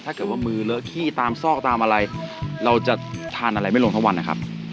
ถ้าเกิดว่ามือเลอะขี้ตามซอกตามอะไรเราจะทานอะไรไม่ลงทั้งวันนะครับ